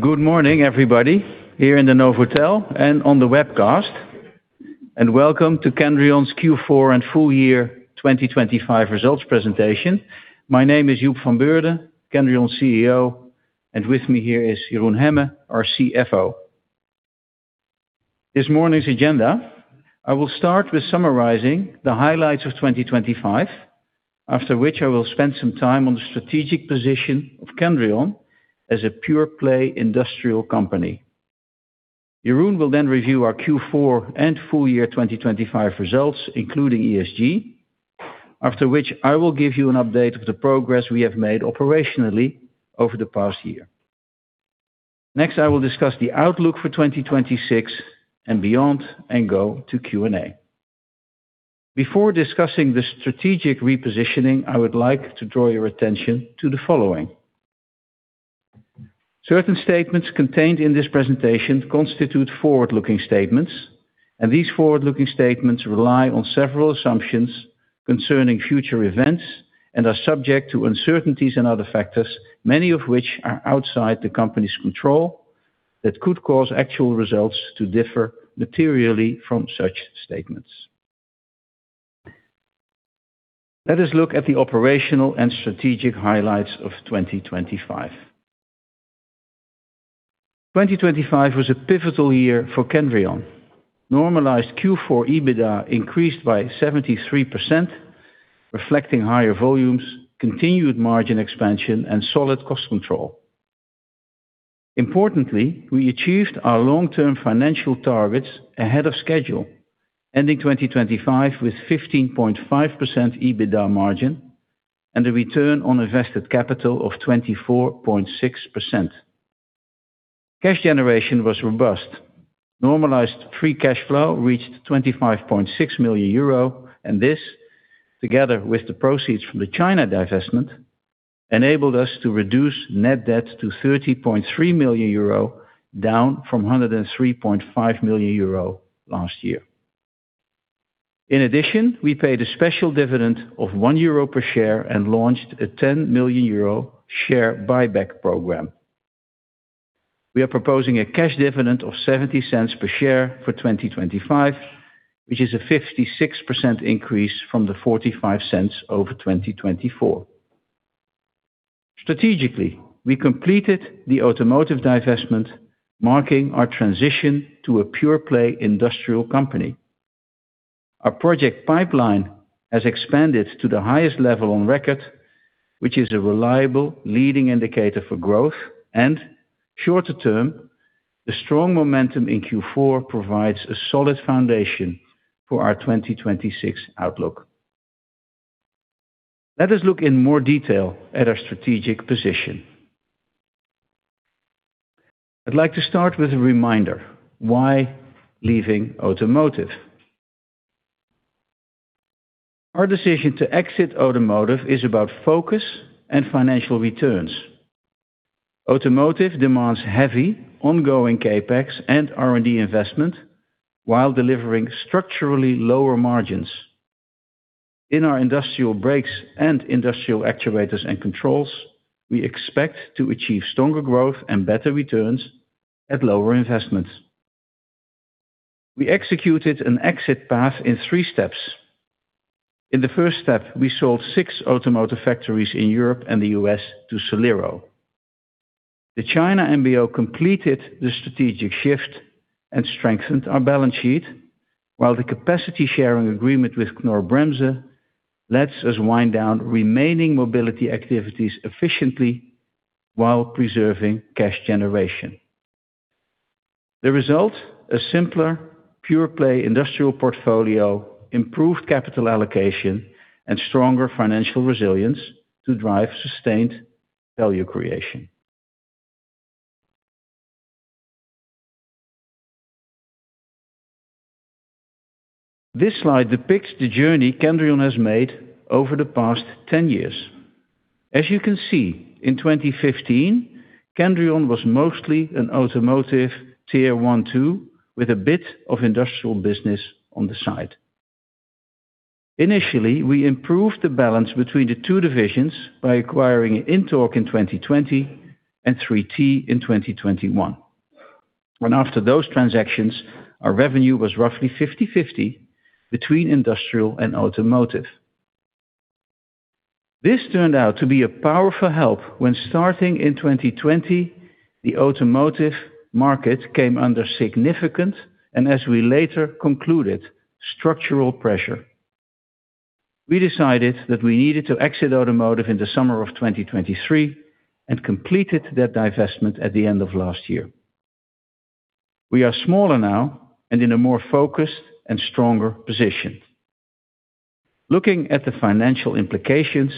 Good morning, everybody, here in the Novotel and on the webcast, welcome to Kendrion's Q4 and full year 2025 results presentation. My name is Joep van Beurden, Kendrion's CEO, with me here is Jeroen Hemmen, our CFO. This morning's agenda, I will start with summarizing the highlights of 2025, after which I will spend some time on the strategic position of Kendrion as a pure-play industrial company. Jeroen will review our Q4 and full year 2025 results, including ESG, after which I will give you an update of the progress we have made operationally over the past year. Next, I will discuss the outlook for 2026 and beyond, and go to Q&A. Before discussing the strategic repositioning, I would like to draw your attention to the following. Certain statements contained in this presentation constitute forward-looking statements, and these forward-looking statements rely on several assumptions concerning future events and are subject to uncertainties and other factors, many of which are outside the company's control, that could cause actual results to differ materially from such statements. Let us look at the operational and strategic highlights of 2025. 2025 was a pivotal year for Kendrion. Normalized Q4 EBITDA increased by 73%, reflecting higher volumes, continued margin expansion, and solid cost control. Importantly, we achieved our long-term financial targets ahead of schedule, ending 2025 with 15.5% EBITDA margin and a return on invested capital of 24.6%. Cash generation was robust. Normalized free cash flow reached 25.6 million euro, this, together with the proceeds from the China divestment, enabled us to reduce net debt to 30.3 million euro, down from 103.5 million euro last year. In addition, we paid a special dividend of 1 euro per share and launched a 10 million euro share buyback program. We are proposing a cash dividend of 0.70 per share for 2025, which is a 56% increase from the 0.45 over 2024. Strategically, we completed the automotive divestment, marking our transition to a pure-play industrial company. Our project pipeline has expanded to the highest level on record, which is a reliable leading indicator for growth. Shorter term, the strong momentum in Q4 provides a solid foundation for our 2026 outlook. Let us look in more detail at our strategic position. I'd like to start with a reminder, why leaving automotive? Our decision to exit automotive is about focus and financial returns. Automotive demands heavy, ongoing CapEx and R&D investment, while delivering structurally lower margins. In our Industrial Brakes and Industrial Actuators & Controls, we expect to achieve stronger growth and better returns at lower investments. We executed an exit path in three steps. In the first step, we sold six automotive factories in Europe and the U.S. to Solero. The China MBO completed the strategic shift and strengthened our balance sheet, while the capacity sharing agreement with Knorr-Bremse lets us wind down remaining mobility activities efficiently while preserving cash generation. The result, a simpler, pure-play industrial portfolio, improved capital allocation, and stronger financial resilience to drive sustained value creation. This slide depicts the journey Kendrion has made over the past 10 years. As you can see, in 2015, Kendrion was mostly an automotive Tier 1, 2, with a bit of industrial business on the side. Initially, we improved the balance between the two divisions by acquiring INTORQ in 2020 and 3T in 2021. After those transactions, our revenue was roughly 50/50 between industrial and automotive. This turned out to be a powerful help when starting in 2020, the automotive market came under significant, and as we later concluded, structural pressure. We decided that we needed to exit automotive in the summer of 2023 and completed that divestment at the end of last year. We are smaller now and in a more focused and stronger position. Looking at the financial implications,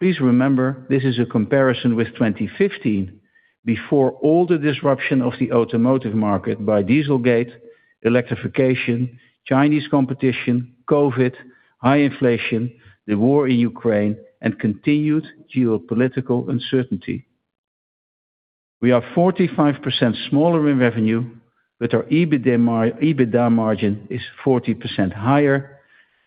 please remember, this is a comparison with 2015, before all the disruption of the automotive market by Dieselgate, electrification, Chinese competition, COVID, high inflation, the war in Ukraine, and continued geopolitical uncertainty. We are 45% smaller in revenue, but our EBITDA margin is 40% higher.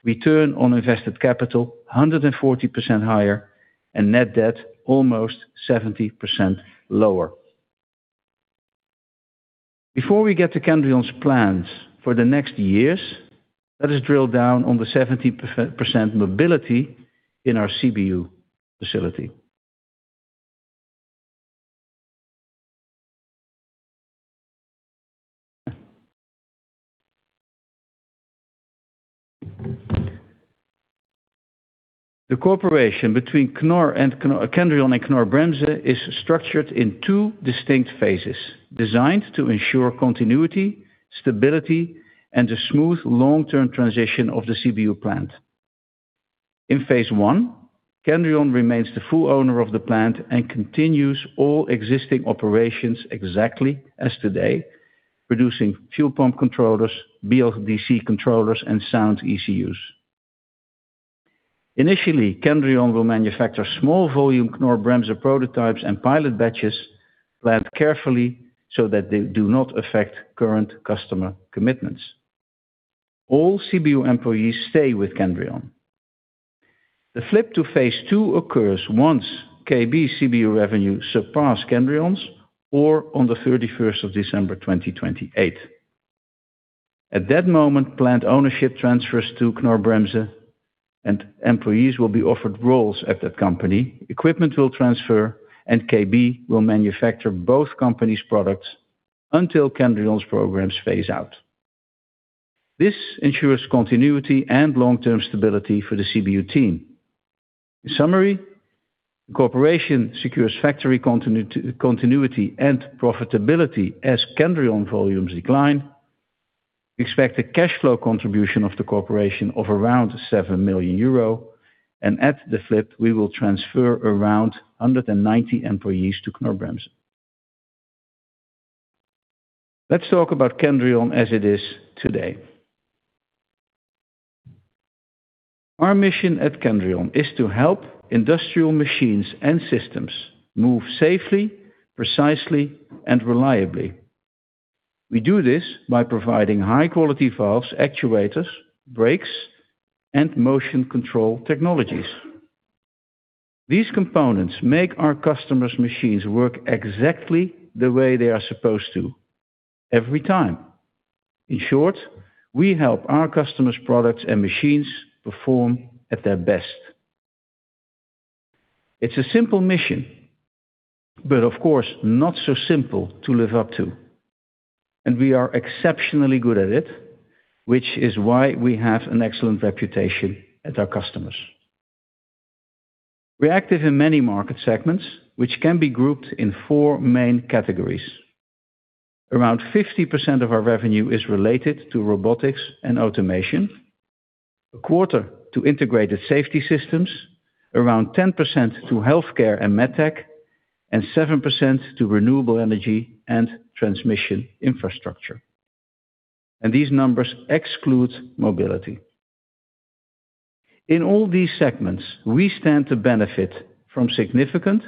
Return on invested capital, 140% higher, and net debt almost 70% lower. Before we get to Kendrion's plans for the next years, let us drill down on the 70% mobility in our CBU facility. The cooperation between Kendrion and Knorr-Bremse is structured in two distinct phases, designed to ensure continuity, stability, and a smooth long-term transition of the CBU plant. In phase I, Kendrion remains the full owner of the plant and continues all existing operations exactly as today, producing fuel pump controllers, BLDC controllers, and sound ECUs. Initially, Kendrion will manufacture small volume Knorr-Bremse prototypes and pilot batches planned carefully so that they do not affect current customer commitments. All CBU employees stay with Kendrion. The flip to phase II occurs once KB CBU revenue surpass Kendrion's, or on the 31st of December 2028. At that moment, plant ownership transfers to Knorr-Bremse, and employees will be offered roles at that company. Equipment will transfer, and KB will manufacture both companies' products until Kendrion's programs phase out. This ensures continuity and long-term stability for the CBU team. In summary, cooperation secures factory continuity and profitability as Kendrion volumes decline. Expect a cash flow contribution of the corporation of around 7 million euro, and at the flip, we will transfer around 190 employees to Knorr-Bremse. Let's talk about Kendrion as it is today. Our mission at Kendrion is to help industrial machines and systems move safely, precisely, and reliably. We do this by providing high-quality valves, actuators, brakes, and motion control technologies. These components make our customers' machines work exactly the way they are supposed to, every time. In short, we help our customers' products and machines perform at their best. It's a simple mission, but of course, not so simple to live up to, and we are exceptionally good at it, which is why we have an excellent reputation with our customers. We're active in many market segments, which can be grouped in four main categories. Around 50% of our revenue is related to robotics and automation, 25% to integrated safety systems, around 10% to healthcare and medtech, and 7% to renewable energy and transmission infrastructure. These numbers exclude mobility. In all these segments, we stand to benefit from significant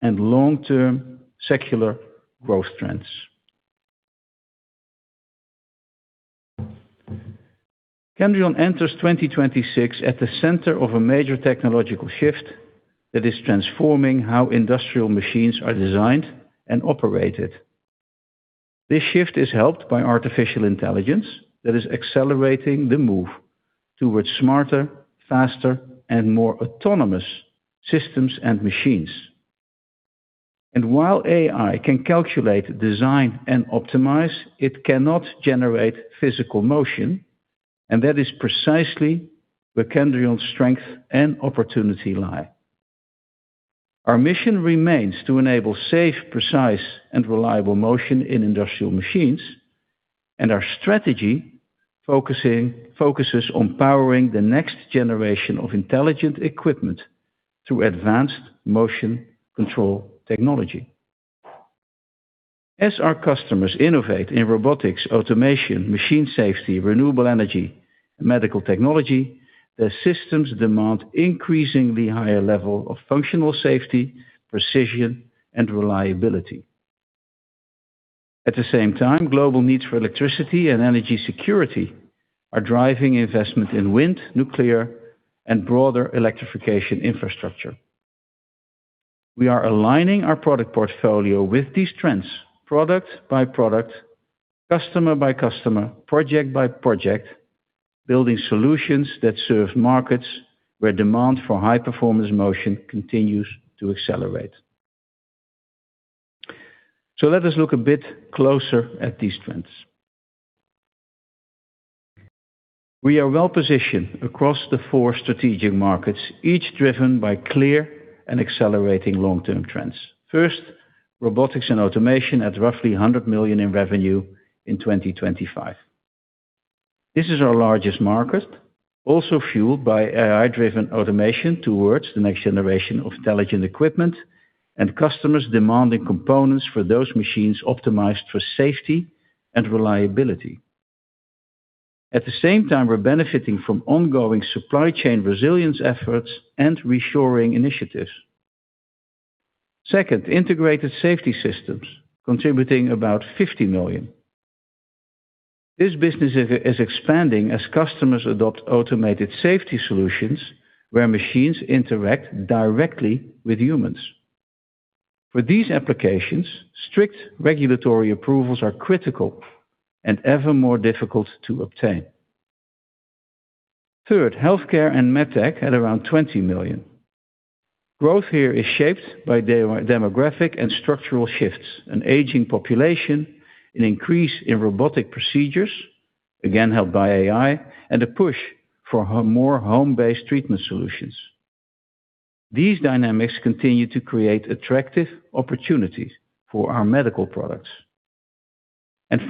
and long-term secular growth trends. Kendrion enters 2026 at the center of a major technological shift that is transforming how industrial machines are designed and operated. This shift is helped by artificial intelligence that is accelerating the move towards smarter, faster, and more autonomous systems and machines. While AI can calculate, design, and optimize, it cannot generate physical motion, and that is precisely where Kendrion's strength and opportunity lie. Our mission remains to enable safe, precise, and reliable motion in industrial machines, our strategy focuses on powering the next generation of intelligent equipment through advanced motion control technology. As our customers innovate in robotics, automation, machine safety, renewable energy, and medical technology, their systems demand increasingly higher level of functional safety, precision, and reliability. At the same time, global needs for electricity and energy security are driving investment in wind, nuclear, and broader electrification infrastructure. We are aligning our product portfolio with these trends, product by product, customer by customer, project by project, building solutions that serve markets where demand for high-performance motion continues to accelerate. Let us look a bit closer at these trends. We are well-positioned across the four strategic markets, each driven by clear and accelerating long-term trends. First, robotics and automation at roughly 100 million in revenue in 2025. This is our largest market, also fueled by AI-driven automation towards the next generation of intelligent equipment and customers demanding components for those machines optimized for safety and reliability. At the same time, we're benefiting from ongoing supply chain resilience efforts and reshoring initiatives. Second, integrated safety systems, contributing about 50 million. This business is expanding as customers adopt automated safety solutions, where machines interact directly with humans. For these applications, strict regulatory approvals are critical and ever more difficult to obtain. Third, healthcare and med tech at around 20 million. Growth here is shaped by demographic and structural shifts: an aging population, an increase in robotic procedures, again, helped by AI, and a push for more home-based treatment solutions. These dynamics continue to create attractive opportunities for our medical products.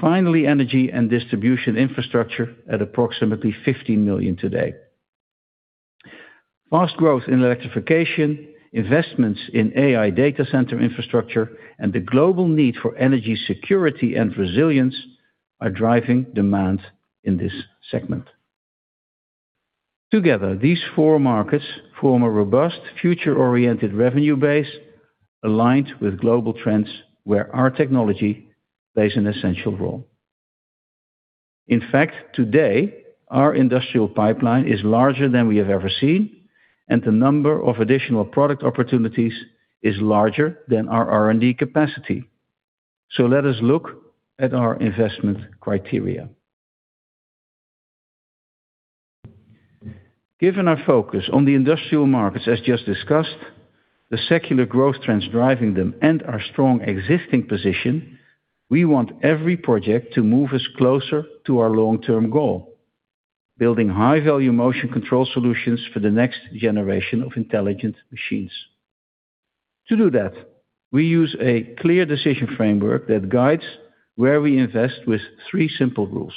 Finally, energy and distribution infrastructure at approximately 15 million today. Vast growth in electrification, investments in AI data center infrastructure, and the global need for energy security and resilience are driving demand in this segment. Together, these four markets form a robust, future-oriented revenue base, aligned with global trends, where our technology plays an essential role. In fact, today, our industrial pipeline is larger than we have ever seen, and the number of additional product opportunities is larger than our R&D capacity. Let us look at our investment criteria. Given our focus on the industrial markets, as just discussed, the secular growth trends driving them, and our strong existing position, we want every project to move us closer to our long-term goal: building high-value motion control solutions for the next generation of intelligent machines. To do that, we use a clear decision framework that guides where we invest with three simple rules.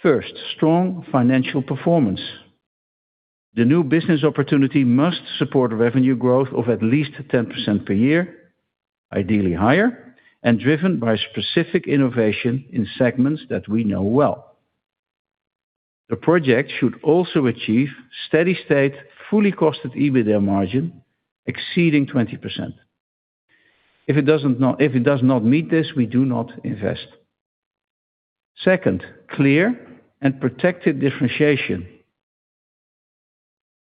First, strong financial performance. The new business opportunity must support revenue growth of at least 10% per year, ideally higher, and driven by specific innovation in segments that we know well. The project should also achieve steady state, fully costed EBITDA margin exceeding 20%. If it does not meet this, we do not invest. Second, clear and protected differentiation.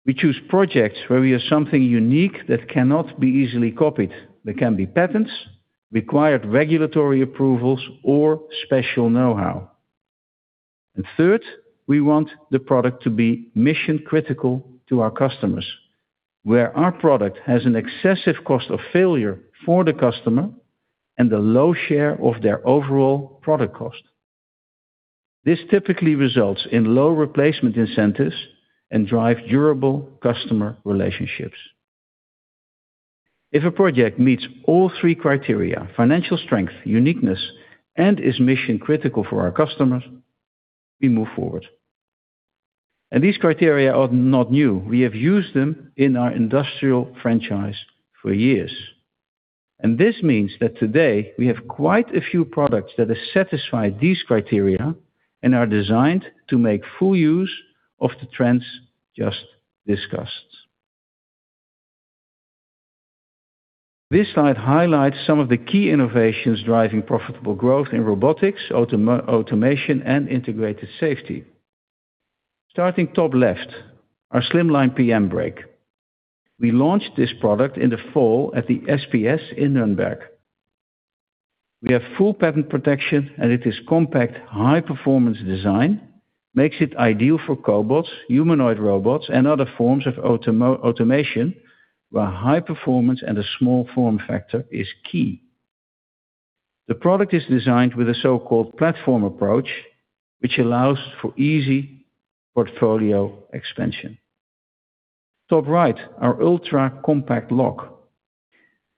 We choose projects where we have something unique that cannot be easily copied. They can be patents, required regulatory approvals, or special know-how. Third, we want the product to be mission-critical to our customers, where our product has an excessive cost of failure for the customer and a low share of their overall product cost. This typically results in low replacement incentives and drive durable customer relationships. If a project meets all three criteria, financial strength, uniqueness, and is mission-critical for our customers, we move forward. These criteria are not new. We have used them in our industrial franchise for years, and this means that today we have quite a few products that have satisfied these criteria and are designed to make full use of the trends just discussed. This slide highlights some of the key innovations driving profitable growth in robotics, automation, and integrated safety. Starting top left, our Slim Line PM Brake. We launched this product in the fall at the SPS in Nuremberg. We have full patent protection, and it is compact, high-performance design, makes it ideal for cobots, humanoid robots, and other forms of automation, where high performance and a small form factor is key. The product is designed with a so-called platform approach, which allows for easy portfolio expansion. Top right, our Ultra Compact Lock.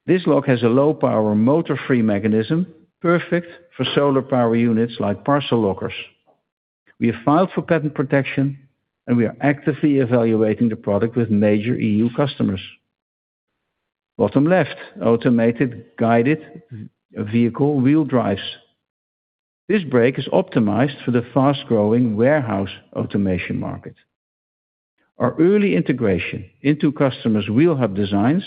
This lock has a low-power, motor-free mechanism, perfect for solar power units like parcel lockers. We have filed for patent protection, and we are actively evaluating the product with major EU customers. Bottom left, automated guided vehicle wheel drives. This brake is optimized for the fast-growing warehouse automation market. Our early integration into customers' wheel hub designs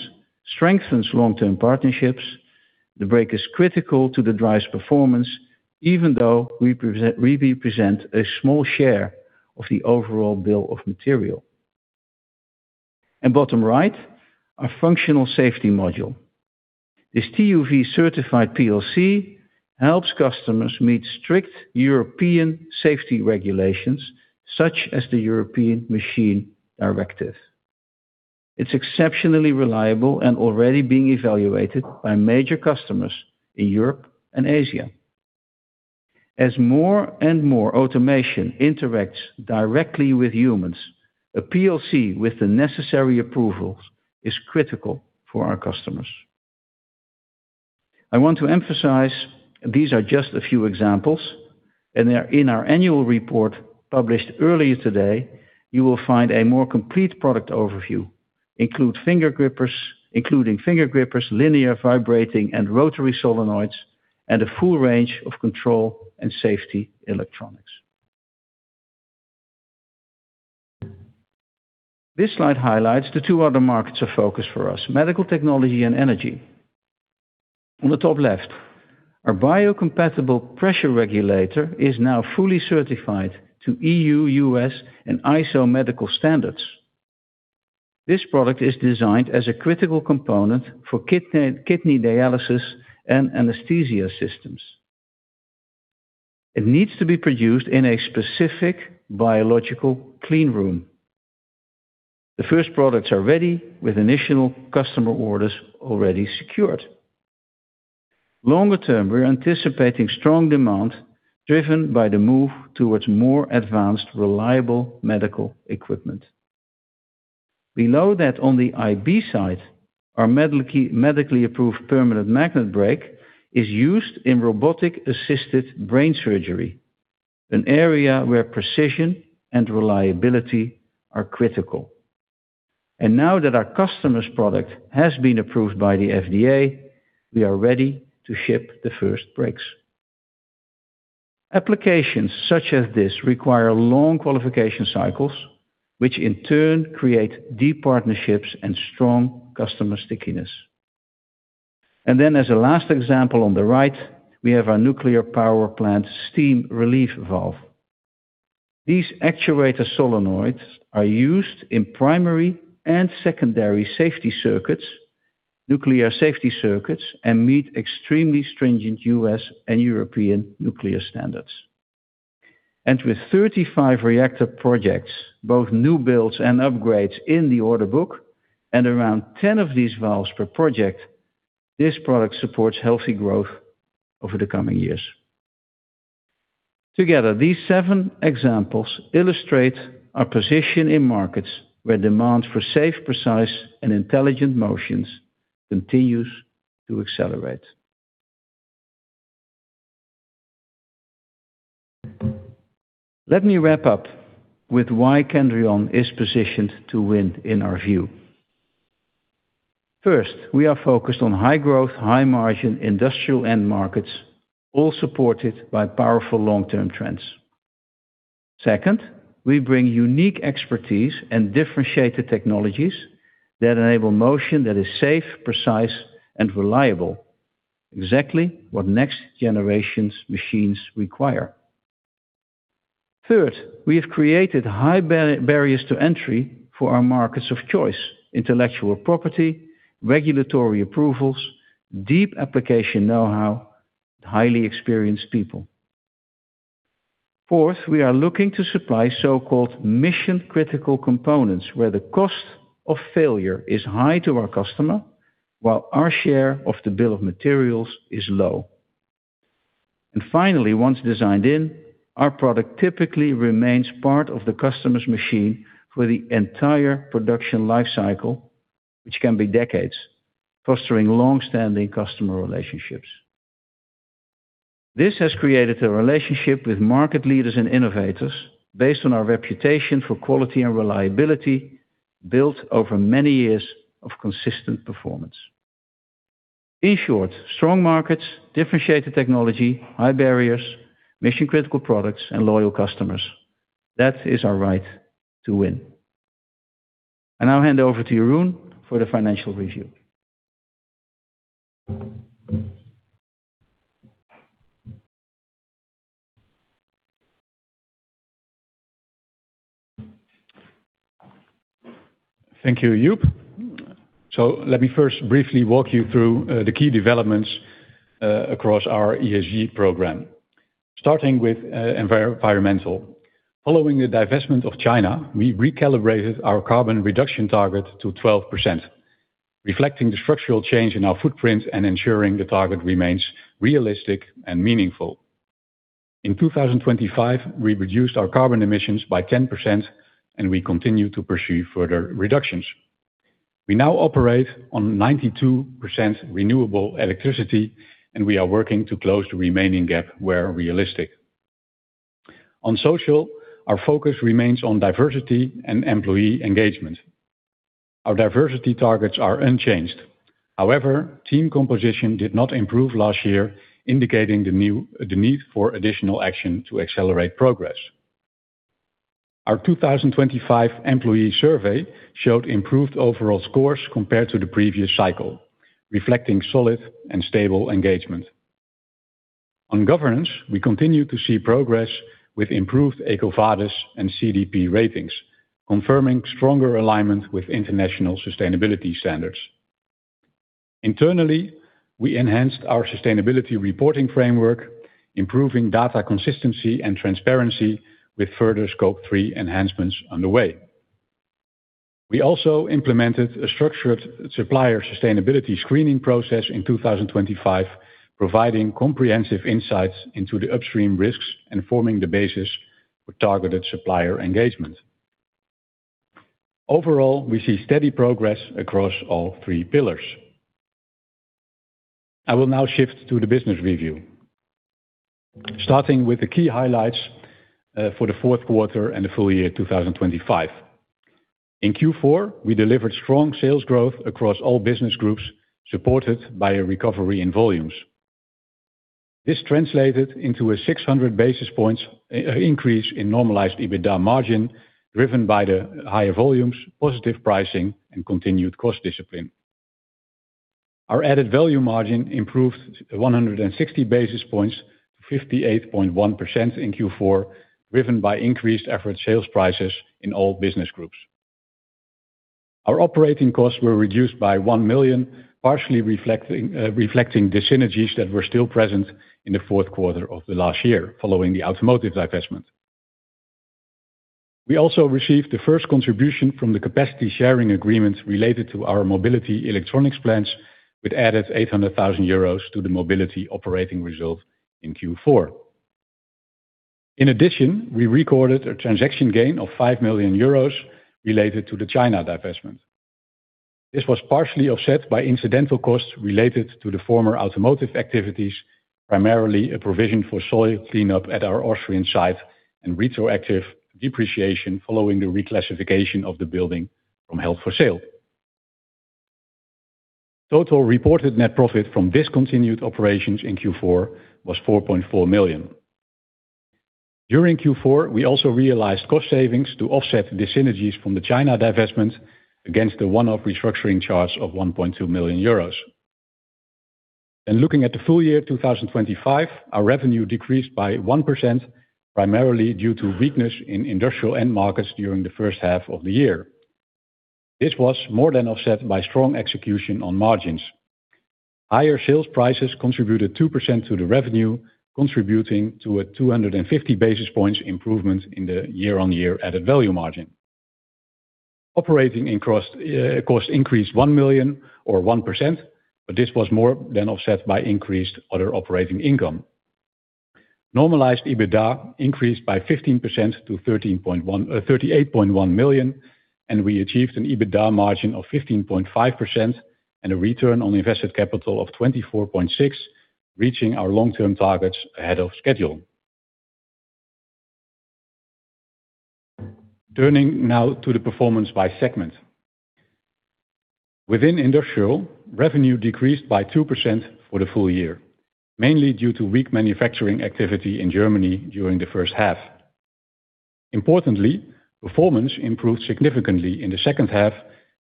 strengthens long-term partnerships. The brake is critical to the drive's performance, even though we represent a small share of the overall bill of materials. Bottom right, our functional safety module. This TÜV-certified PLC helps customers meet strict European safety regulations, such as the European Machinery Directive. It's exceptionally reliable and already being evaluated by major customers in Europe and Asia. As more and more automation interacts directly with humans, a PLC with the necessary approvals is critical for our customers. I want to emphasize, these are just a few examples, in our annual report published earlier today, you will find a more complete product overview, including finger grippers, linear, vibrating, and rotary solenoids, and a full range of control and safety electronics. This slide highlights the two other markets of focus for us, medical technology and energy. On the top left, our biocompatible pressure regulator is now fully certified to EU, US, and ISO medical standards. This product is designed as a critical component for kidney dialysis and anesthesia systems. It needs to be produced in a specific biological clean room. The first products are ready, with initial customer orders already secured. Longer term, we're anticipating strong demand, driven by the move towards more advanced, reliable medical equipment. Below that, on the IB side, our medically approved permanent magnet brake is used in robotic-assisted brain surgery, an area where precision and reliability are critical. Now that our customer's product has been approved by the FDA, we are ready to ship the first brakes. Applications such as this require long qualification cycles, which in turn create deep partnerships and strong customer stickiness. As a last example on the right, we have our nuclear power plant steam relief valve. These actuator solenoids are used in primary and secondary safety circuits, nuclear safety circuits, and meet extremely stringent U.S. and European nuclear standards. With 35 reactor projects, both new builds and upgrades in the order book, and around 10 of these valves per project, this product supports healthy growth over the coming years. Together, these seven examples illustrate our position in markets where demand for safe, precise, and intelligent motions continues to accelerate. Let me wrap up with why Kendrion is positioned to win in our view. First, we are focused on high growth, high margin industrial end markets, all supported by powerful long-term trends. Second, we bring unique expertise and differentiated technologies that enable motion that is safe, precise, and reliable, exactly what next generation's machines require. Third, we have created high barriers to entry for our markets of choice: intellectual property, regulatory approvals, deep application know-how, and highly experienced people. Fourth, we are looking to supply so-called mission-critical components, where the cost of failure is high to our customer, while our share of the bill of materials is low. Finally, once designed in, our product typically remains part of the customer's machine for the entire production life cycle, which can be decades, fostering long-standing customer relationships. This has created a relationship with market leaders and innovators based on our reputation for quality and reliability, built over many years of consistent performance. In short, strong markets, differentiated technology, high barriers, mission-critical products, and loyal customers. That is our right to win. I now hand over to Jeroen for the financial review. Thank you, Joep. Let me first briefly walk you through the key developments across our ESG program. Starting with environmental. Following the divestment of China, we recalibrated our carbon reduction target to 12%, reflecting the structural change in our footprint and ensuring the target remains realistic and meaningful. In 2025, we reduced our carbon emissions by 10%, and we continue to pursue further reductions. We now operate on 92% renewable electricity, and we are working to close the remaining gap where realistic. On social, our focus remains on diversity and employee engagement. Our diversity targets are unchanged. However, team composition did not improve last year, indicating the need for additional action to accelerate progress. Our 2025 employee survey showed improved overall scores compared to the previous cycle, reflecting solid and stable engagement. On governance, we continue to see progress with improved EcoVadis and CDP ratings, confirming stronger alignment with international sustainability standards. Internally, we enhanced our sustainability reporting framework, improving data consistency and transparency with further Scope 3 enhancements underway. We also implemented a structured supplier sustainability screening process in 2025, providing comprehensive insights into the upstream risks and forming the basis for targeted supplier engagement. Overall, we see steady progress across all three pillars. I will now shift to the business review. Starting with the key highlights for the fourth quarter and the full year 2025. In Q4, we delivered strong sales growth across all business groups, supported by a recovery in volumes. This translated into a 600 basis points increase in normalized EBITDA margin, driven by the higher volumes, positive pricing, and continued cost discipline. Our added value margin improved 160 basis points, to 58.1% in Q4, driven by increased average sales prices in all business groups. Our operating costs were reduced by 1 million, partially reflecting the synergies that were still present in the fourth quarter of the last year, following the automotive divestment. We also received the first contribution from the capacity sharing agreement related to our mobility electronics plans, which added 800,000 euros to the Mobility operating result in Q4. We recorded a transaction gain of 5 million euros related to the China divestment. This was partially offset by incidental costs related to the former automotive activities, primarily a provision for soil cleanup at our Austrian site and retroactive depreciation following the reclassification of the building from held for sale. Total reported net profit from discontinued operations in Q4 was 4.4 million. During Q4, we also realized cost savings to offset the synergies from the China divestment against the one-off restructuring charge of 1.2 million euros. Looking at the full year 2025, our revenue decreased by 1%, primarily due to weakness in industrial end markets during the first half of the year. This was more than offset by strong execution on margins. Higher sales prices contributed 2% to the revenue, contributing to a 250 basis points improvement in the year-on-year added value margin. Operating cost increased 1 million or 1%, this was more than offset by increased other operating income. Normalized EBITDA increased by 15% to 38.1 million, and we achieved an EBITDA margin of 15.5% and a return on invested capital of 24.6%, reaching our long-term targets ahead of schedule. Turning now to the performance by segment. Within Industrial, revenue decreased by 2% for the full year, mainly due to weak manufacturing activity in Germany during the first half. Importantly, performance improved significantly in the second half,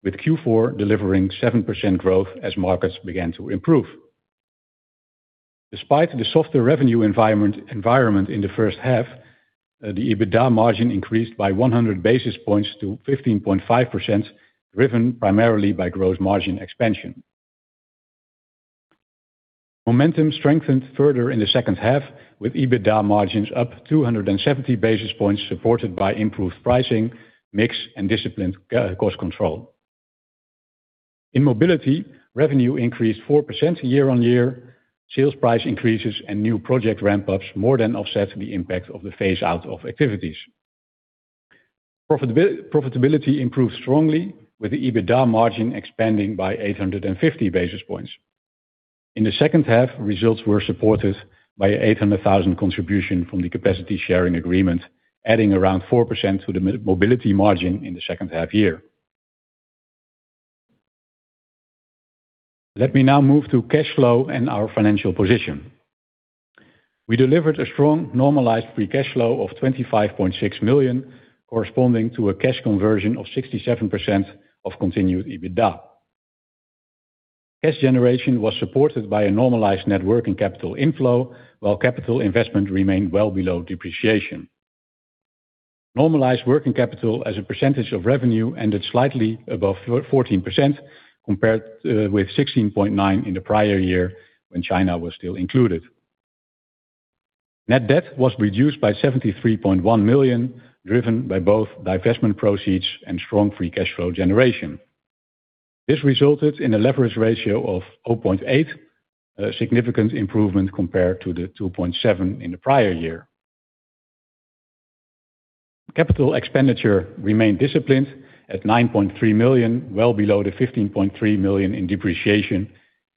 with Q4 delivering 7% growth as markets began to improve. Despite the softer revenue environment in the first half, the EBITDA margin increased by 100 basis points to 15.5%, driven primarily by growth margin expansion. Momentum strengthened further in the second half, with EBITDA margins up 270 basis points, supported by improved pricing, mix, and disciplined co-cost control. In Mobility, revenue increased 4% year-on-year. Sales price increases and new project ramp-ups more than offset the impact of the phase-out of activities. Profitability improved strongly, with the EBITDA margin expanding by 850 basis points. In the second half, results were supported by 800,000 contribution from the capacity sharing agreement, adding around 4% to the mobility margin in the second half year. Let me now move to cash flow and our financial position. We delivered a strong, normalized free cash flow of 25.6 million, corresponding to a cash conversion of 67% of continued EBITDA. Cash generation was supported by a normalized net working capital inflow, while capital investment remained well below depreciation. Normalized working capital as a percentage of revenue ended slightly above 14%, compared with 16.9% in the prior year, when China was still included. Net debt was reduced by 73.1 million, driven by both divestment proceeds and strong free cash flow generation. This resulted in a leverage ratio of 0.8, a significant improvement compared to the 2.7 in the prior year. Capital expenditure remained disciplined at 9.3 million, well below the 15.3 million in depreciation,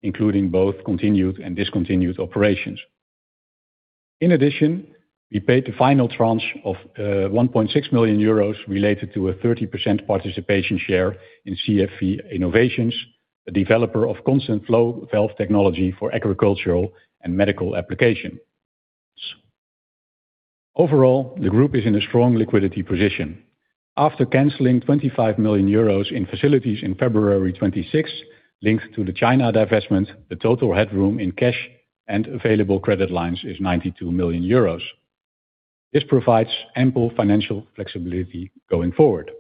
including both continued and discontinued operations. In addition, we paid the final tranche of 1.6 million euros related to a 30% participation share in CFV Innovations, a developer of Constant Flow Valve technology for agricultural and medical application. Overall, the group is in a strong liquidity position. After canceling 25 million euros in facilities in February 2026, linked to the China divestment, the total headroom in cash and available credit lines is 92 million euros. This provides ample financial flexibility going forward.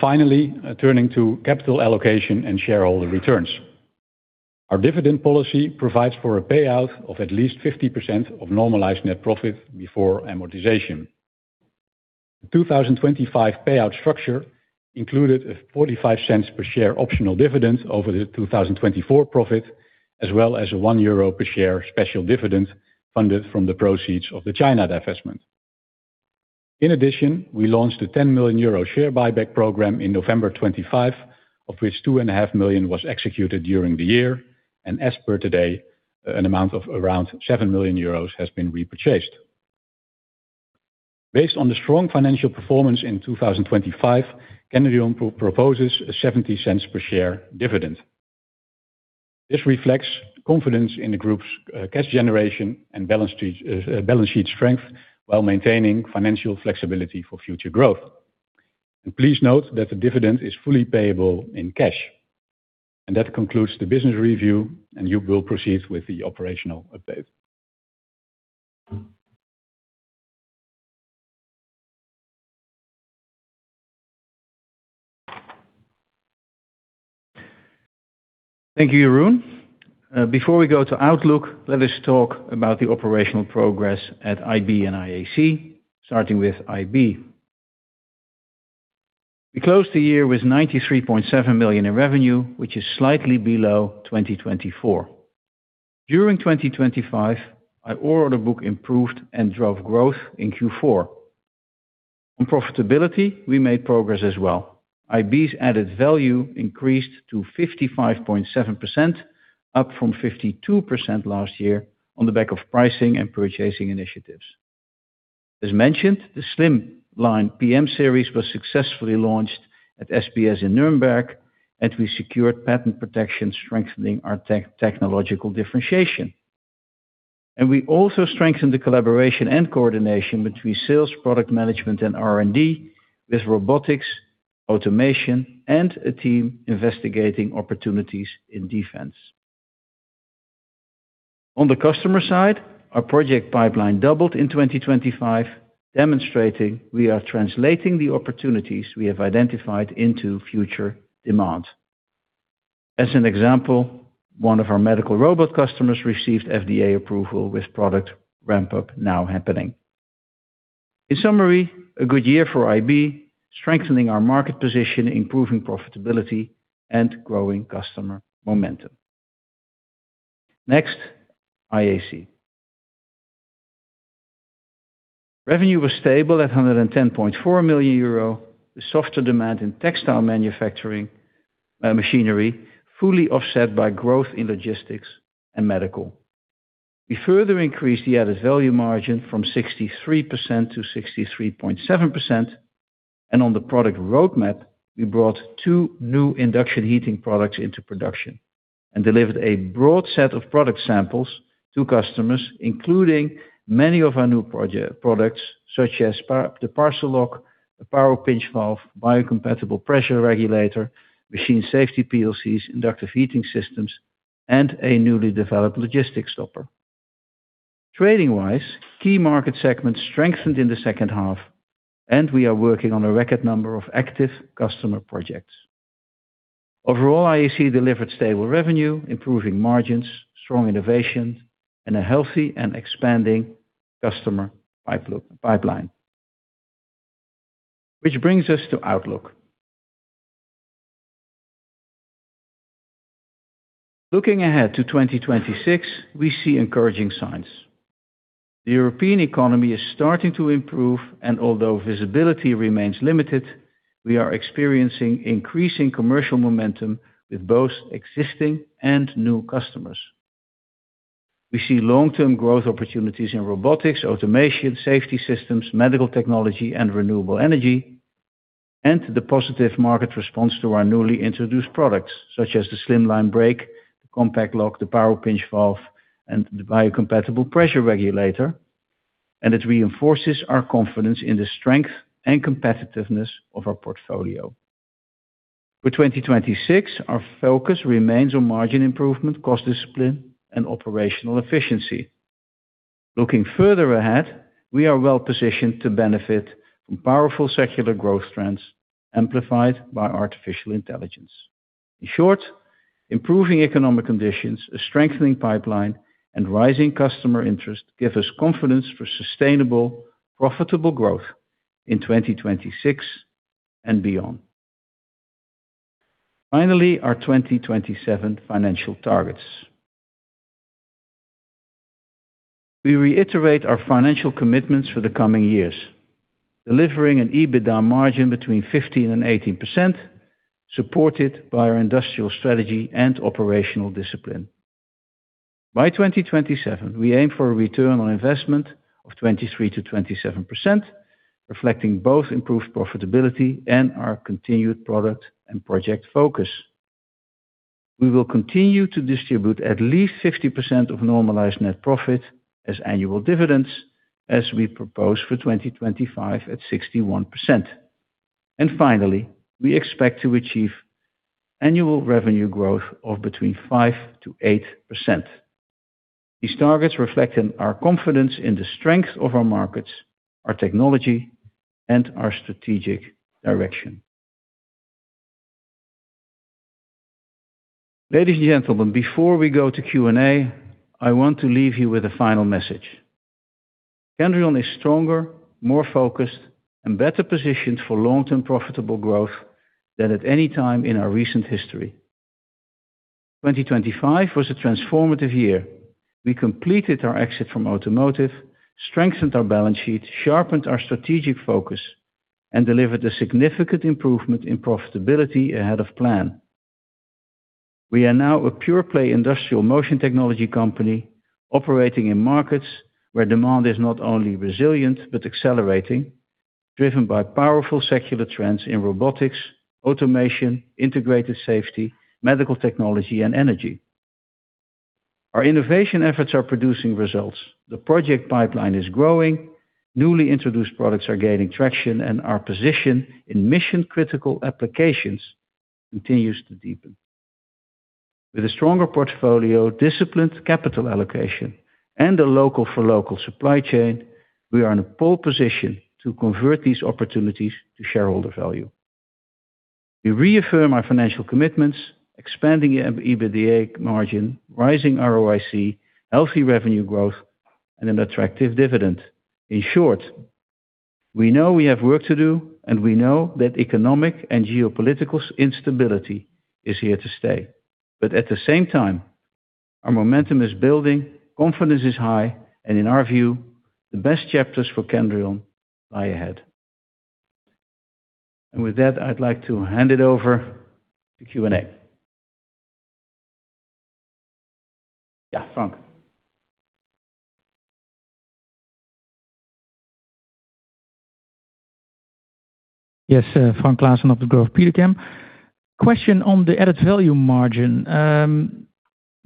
Finally, turning to capital allocation and shareholder returns. Our dividend policy provides for a payout of at least 50% of normalized net profit before amortization. The 2025 payout structure included a 0.45 per share optional dividend over the 2024 profit, as well as a 1 euro per share special dividend funded from the proceeds of the China divestment. In addition, we launched a 10 million euro share buyback program in November 2025, of which 2.5 million was executed during the year, and as per today, an amount of around 7 million euros has been repurchased. Based on the strong financial performance in 2025, Kendrion proposes a 0.70 per share dividend. This reflects confidence in the group's cash generation and balance sheet strength, while maintaining financial flexibility for future growth. Please note that the dividend is fully payable in cash. That concludes the business review, Joep will proceed with the operational update. Thank you, Jeroen. Before we go to outlook, let us talk about the operational progress at IB and IAC, starting with IB. We closed the year with 93.7 million in revenue, which is slightly below 2024. During 2025, our order book improved and drove growth in Q4. On profitability, we made progress as well. IB's added value increased to 55.7%, up from 52% last year on the back of pricing and purchasing initiatives. As mentioned, the Slim Line PM series was successfully launched at SPS in Nuremberg, we secured patent protection, strengthening our technological differentiation. We also strengthened the collaboration and coordination between sales, product management, and R&D with robotics, automation, and a team investigating opportunities in defense. On the customer side, our project pipeline doubled in 2025, demonstrating we are translating the opportunities we have identified into future demand. As an example, one of our medical robot customers received FDA approval with product ramp-up now happening. In summary, a good year for IB, strengthening our market position, improving profitability, and growing customer momentum. IAC. Revenue was stable at 110.4 million euro. The softer demand in textile manufacturing machinery, fully offset by growth in logistics and medical. We further increased the added value margin from 63% to 63.7%, and on the product roadmap, we brought two new induction heating products into production and delivered a broad set of product samples to customers, including many of our new products, such as the parcel lock, the Power Pinch Valve, biocompatible pressure regulator, machine safety PLCs, inductive heating systems, and a newly developed logistics stopper. Trading-wise, key market segments strengthened in the second half, and we are working on a record number of active customer projects. Overall, IAC delivered stable revenue, improving margins, strong innovation, and a healthy and expanding customer pipeline. Which brings us to outlook. Looking ahead to 2026, we see encouraging signs. The European economy is starting to improve, and although visibility remains limited, we are experiencing increasing commercial momentum with both existing and new customers. We see long-term growth opportunities in robotics, automation, safety systems, medical technology, and renewable energy, and the positive market response to our newly introduced products, such as the Slim Line Brake, the Compact Lock, the Power Pinch Valve, and the biocompatible pressure regulator, and it reinforces our confidence in the strength and competitiveness of our portfolio. For 2026, our focus remains on margin improvement, cost discipline, and operational efficiency. Looking further ahead, we are well-positioned to benefit from powerful secular growth trends amplified by artificial intelligence. In short, improving economic conditions, a strengthening pipeline, and rising customer interest give us confidence for sustainable, profitable growth in 2026 and beyond. Finally, our 2027 financial targets. We reiterate our financial commitments for the coming years, delivering an EBITDA margin between 15% and 18%, supported by our industrial strategy and operational discipline. By 2027, we aim for a return on investment of 23%-27%, reflecting both improved profitability and our continued product and project focus. We will continue to distribute at least 50% of normalized net profit as annual dividends, as we propose for 2025 at 61%. Finally, we expect to achieve annual revenue growth of between 5%-8%. These targets reflect in our confidence in the strength of our markets, our technology, and our strategic direction. Ladies and gentlemen, before we go to Q&A, I want to leave you with a final message. Kendrion is stronger, more focused, and better positioned for long-term profitable growth than at any time in our recent history. 2025 was a transformative year. We completed our exit from automotive, strengthened our balance sheet, sharpened our strategic focus, and delivered a significant improvement in profitability ahead of plan. We are now a pure-play industrial motion technology company, operating in markets where demand is not only resilient, but accelerating, driven by powerful secular trends in robotics, automation, integrated safety, medical technology, and energy. Our innovation efforts are producing results. The project pipeline is growing, newly introduced products are gaining traction, and our position in mission-critical applications continues to deepen. With a stronger portfolio, disciplined capital allocation, and a local for local supply chain, we are in a pole position to convert these opportunities to shareholder value. We reaffirm our financial commitments, expanding the EBITDA margin, rising ROIC, healthy revenue growth, and an attractive dividend. In short, we know we have work to do, and we know that economic and geopolitical instability is here to stay. At the same time, our momentum is building, confidence is high, and in our view, the best chapters for Kendrion lie ahead. With that, I'd like to hand it over to Q&A. Yeah, Frank. Frank Claassen of Degroof Petercam. Question on the added value margin.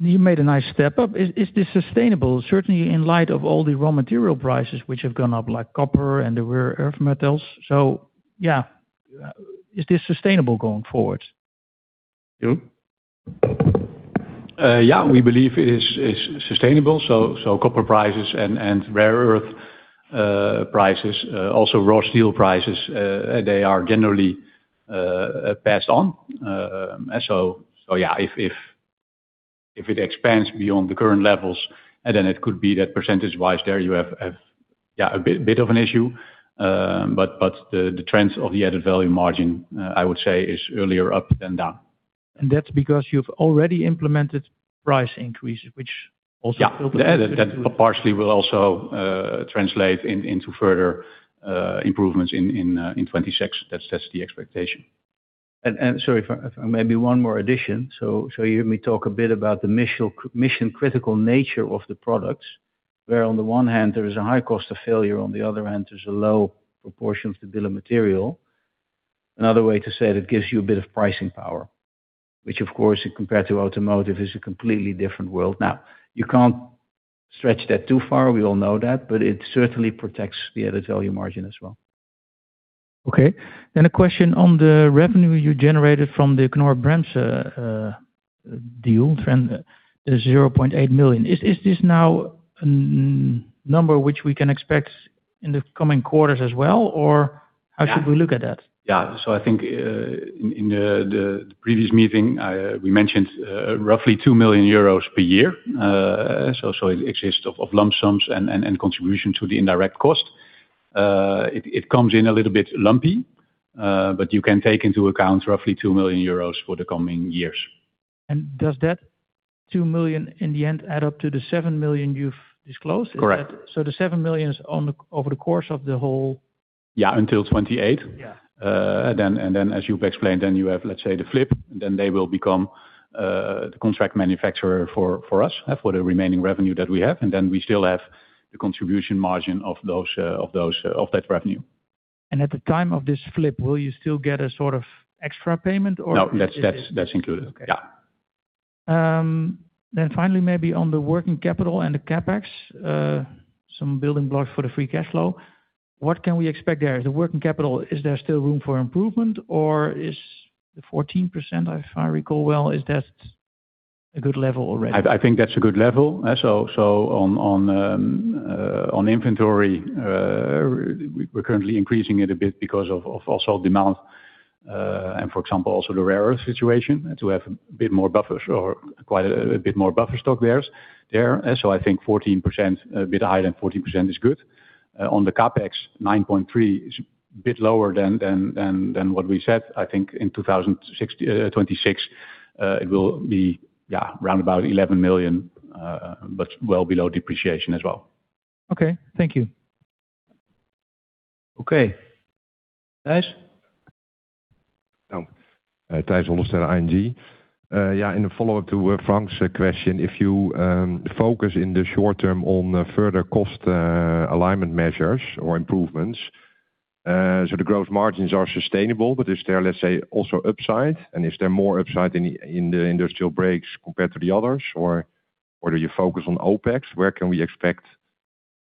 You made a nice step up. Is this sustainable, certainly in light of all the raw material prices which have gone up, like copper and the rare earth metals? Is this sustainable going forward? Yeah, we believe it is sustainable. Copper prices and rare earth prices, also raw steel prices, they are generally passed on. Yeah, if it expands beyond the current levels, then it could be that percentage-wise there you have a bit of an issue. The trends of the added value margin, I would say, is earlier up than down. That's because you've already implemented price increases, which also... Yeah. That partially will also translate into further improvements in 2026. That's the expectation. Sorry for, maybe one more addition. So you may talk a bit about the mission-critical nature of the products, where on the one hand, there is a high cost of failure, on the other hand, there's a low proportion of the bill of materials. Another way to say it gives you a bit of pricing power, which of course, compared to automotive, is a completely different world. You can't stretch that too far, we all know that, but it certainly protects the added value margin as well. A question on the revenue you generated from the Knorr-Bremse deal, the 0.8 million. Is this now a number which we can expect in the coming quarters as well, or how should we look at that? Yeah. I think, in the previous meeting, we mentioned roughly 2 million euros per year. It exists of lump sums and contribution to the indirect cost. It comes in a little bit lumpy, but you can take into account roughly 2 million euros for the coming years. Does that 2 million in the end add up to the 7 million you've disclosed? Correct. The 7 million is over the course of the. Yeah, until 2028. Yeah. As you've explained, then you have, let's say, the flip, then they will become, the contract manufacturer for us, for the remaining revenue that we have, and then we still have the contribution margin of those, of that revenue. At the time of this flip, will you still get a sort of extra payment or? No. That's included. Okay. Yeah. Finally, maybe on the working capital and the CapEx, some building blocks for the free cash flow. What can we expect there? The working capital, is there still room for improvement, or is the 14%, if I recall well, is that a good level already? I think that's a good level. On inventory, we're currently increasing it a bit because of also demand, and for example, also the rare earth situation, to have a bit more buffer or quite a bit more buffer stock there. I think 14%, a bit higher than 14% is good. On the CapEx, 9.3 million is a bit lower than what we said. I think in 2026, it will be, yeah, around about 11 million, but well below depreciation as well. Okay, thank you. Okay. Tijs? Tijs Hollestelle of ING. In a follow-up to Frank's question, if you focus in the short term on further cost alignment measures or improvements, so the growth margins are sustainable, but is there also upside, and is there more upside in the Industrial Brakes compared to the others, or whether you focus on OpEx, where can we expect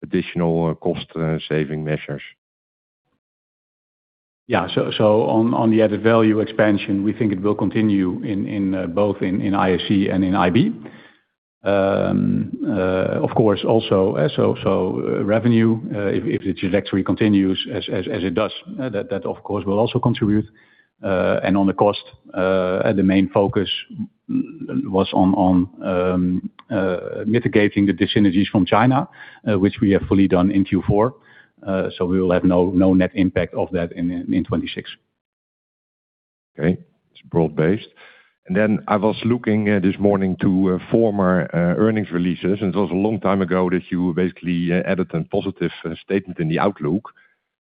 additional cost saving measures? On the added value expansion, we think it will continue in both IAC and IB. Of course, also, revenue, if the trajectory continues as it does, that of course, will also contribute. On the cost, the main focus was on mitigating the dissynergies from China, which we have fully done in Q4. We will have no net impact of that in 2026. Okay. It's broad-based. I was looking this morning to former earnings releases, and it was a long time ago that you basically added a positive statement in the outlook.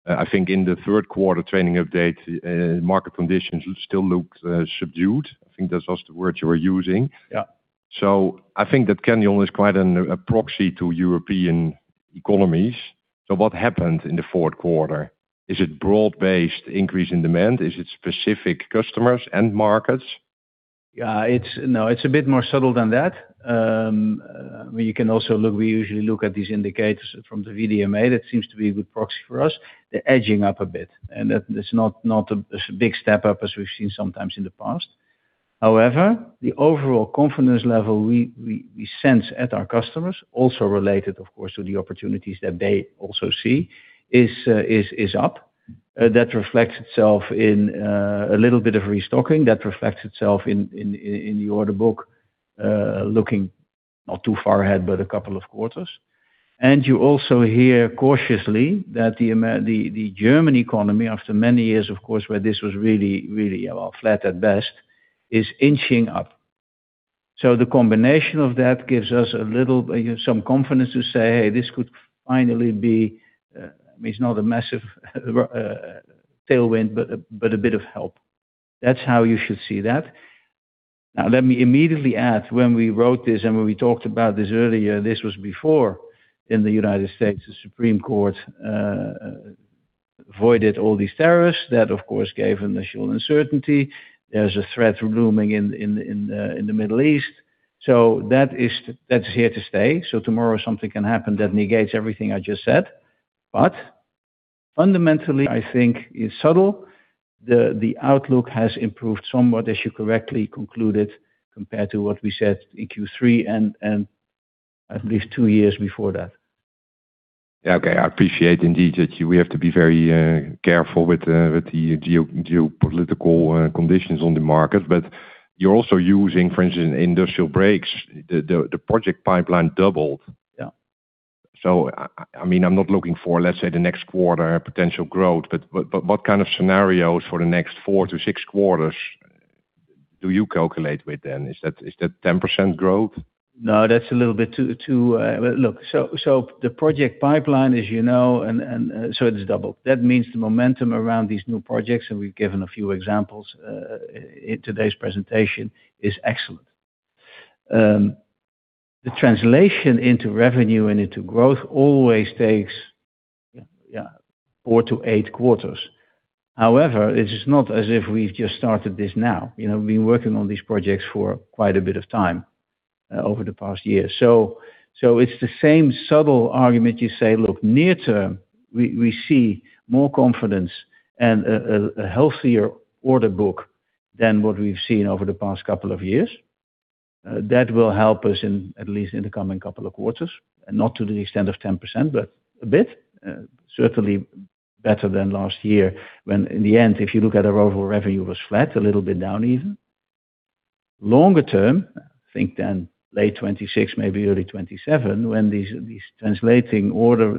I think in the third quarter trading update, market conditions still look subdued. I think that's also the word you were using. Yeah. I think that Kendrion is quite a proxy to European economies. What happened in the fourth quarter? Is it broad-based increase in demand? Is it specific customers and markets? Yeah, no, it's a bit more subtle than that. We can also look, we usually look at these indicators from the VDMA. That seems to be a good proxy for us. They're edging up a bit, and that's not as big step up as we've seen sometimes in the past. However, the overall confidence level we sense at our customers, also related, of course, to the opportunities that they also see, is up. That reflects itself in a little bit of restocking, that reflects itself in the order book, looking not too far ahead, but a couple of quarters. You also hear cautiously that the German economy, after many years, of course, where this was really well, flat at best, is inching up. The combination of that gives us a little some confidence to say, hey, this could finally be, it's not a massive tailwind, but a bit of help. That's how you should see that. Now, let me immediately add, when we wrote this and when we talked about this earlier, this was before in the United States, the Supreme Court avoided all these tariffs. That, of course, gave initial uncertainty. There's a threat looming in the Middle East. That is here to stay, so tomorrow, something can happen that negates everything I just said. Fundamentally, I think it's subtle. The outlook has improved somewhat, as you correctly concluded, compared to what we said in Q3 and at least two years before that. Yeah, okay. I appreciate indeed that we have to be very careful with the geopolitical conditions on the market, but you're also using, for instance, Industrial Brakes. The project pipeline doubled. Yeah. I mean, I'm not looking for, let's say, the next quarter potential growth, but what kind of scenarios for the next four to six quarters do you calculate with then? Is that 10% growth? That's a little bit too. Well, look, the project pipeline, as you know, and, so it is doubled. That means the momentum around these new projects, and we've given a few examples, in today's presentation, is excellent. The translation into revenue and into growth always takes, yeah, four to eight quarters. However, it is not as if we've just started this now. You know, we've been working on these projects for quite a bit of time, over the past years. It's the same subtle argument you say, look, near term, we see more confidence and a healthier order book than what we've seen over the past couple of years. That will help us in, at least in the coming couple of quarters. Not to the extent of 10%, but a bit, certainly better than last year, when in the end, if you look at our overall revenue, it was flat, a little bit down even. Longer term, I think late 2026, maybe early 2027, when these translating order,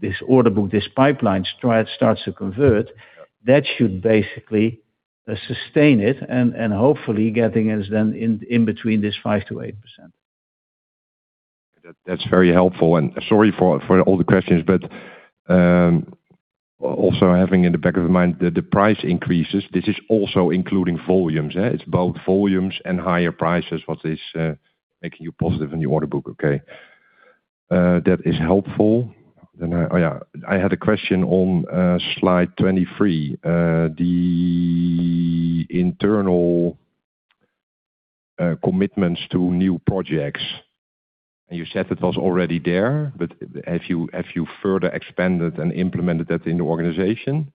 this order book, this pipeline starts to convert. Yeah. That should basically sustain it and hopefully getting us then in between this 5%-8%. That's very helpful, sorry for all the questions, also having in the back of my mind that the price increases, this is also including volumes, yeah? It's both volumes and higher prices, what is making you positive in the order book. Okay, that is helpful. Oh, yeah, I had a question on slide 23. The internal commitments to new projects, you said it was already there, have you further expanded and implemented that in the organization?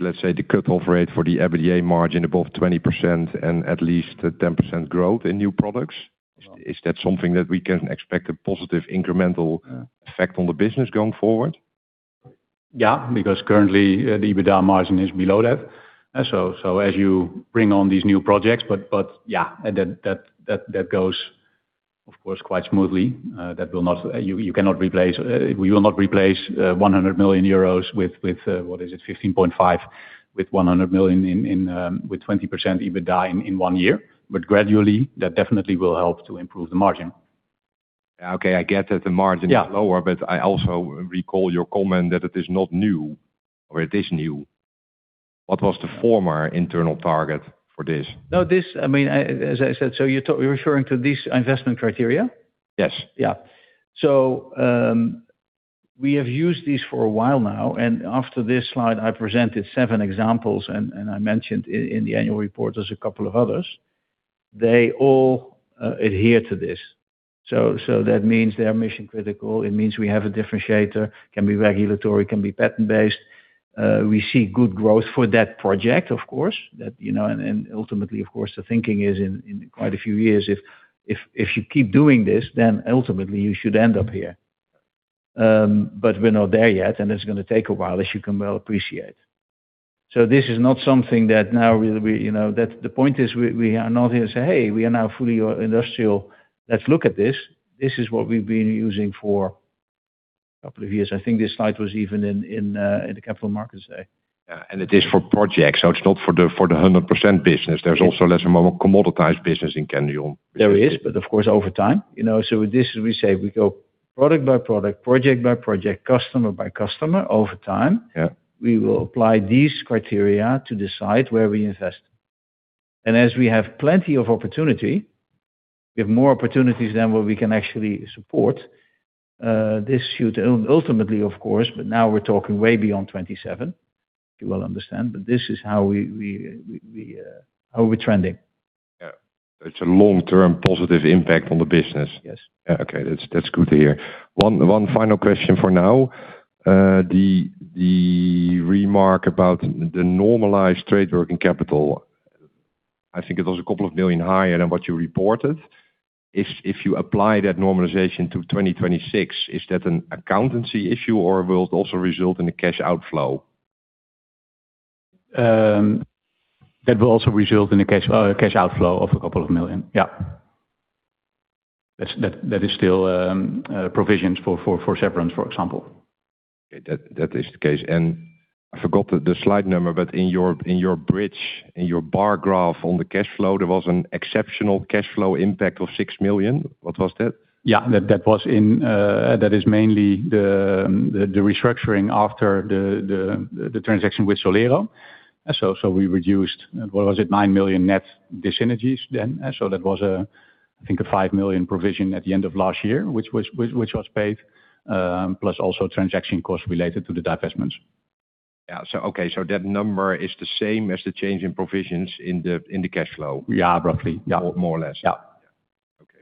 Let's say the cut-off rate for the EBITDA margin above 20% and at least a 10% growth in new products. Yeah. Is that something that we can expect a positive incremental- Yeah effect on the business going forward? Because currently, the EBITDA margin is below that. As you bring on these new projects, but yeah, that goes, of course, quite smoothly. That will not. You cannot replace. We will not replace 100 million euros with, what is it? 15.5%, with 100 million, with 20% EBITDA in one year, but gradually, that definitely will help to improve the margin. Yeah, okay, I get that the margin- Yeah Is lower, but I also recall your comment that it is not new or it is new. What was the former internal target for this? This, I mean, as I said, you're referring to this investment criteria? Yes. We have used these for a while now, and after this slide, I presented seven examples, and I mentioned in the annual report, there's a couple of others. They all adhere to this. That means they are mission-critical, it means we have a differentiator, can be regulatory, can be patent-based. We see good growth for that project, of course, that, you know, and ultimately, of course, the thinking is in quite a few years, if you keep doing this, then ultimately you should end up here. We're not there yet, and it's gonna take a while, as you can well appreciate. This is not something that now we, you know, that the point is we are not here to say, "Hey, we are now fully industrial. Let's look at this." This is what we've been using for a couple of years. I think this slide was even in the Capital Markets Day. Yeah, and it is for projects, so it's not for the, for the 100% business. Yeah. There's also less of a commoditized business in Kendrion. There is, but of course, over time, you know, so this, we say product by product, project by project, customer by customer over time. Yeah. We will apply these criteria to decide where we invest. As we have plenty of opportunity, we have more opportunities than what we can actually support, this should ultimately, of course, but now we're talking way beyond 2027, you will understand, but this is how we, how we're trending. Yeah. It's a long-term positive impact on the business. Yes. Yeah. Okay, that's good to hear. One final question for now. The remark about the normalized trade working capital, I think it was a couple of million higher than what you reported. If you apply that normalization to 2026, is that an accountancy issue, or will it also result in a cash outflow? That will also result in a cash outflow of a couple of million. Yeah. That is still, provisions for severance, for example. Okay. That is the case. I forgot the slide number, but in your bridge, in your bar graph on the cash flow, there was an exceptional cash flow impact of 6 million. What was that? That is mainly the restructuring after the transaction with Solero. We reduced, what was it? 9 million net dissynergies then. That was a 5 million provision at the end of last year, which was paid, plus also transaction costs related to the divestments. Okay, so that number is the same as the change in provisions in the, in the cash flow? Yeah, roughly. Yeah. More or less. Yeah. Okay.